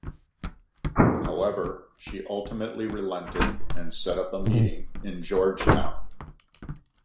However, she ultimately relented and set up a meeting in Georgetown.